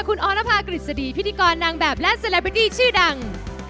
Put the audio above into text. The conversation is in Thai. คุณออนภากริษฎีพิธีกรนางแบบและเซลล์แบบดี้ชื่อดัง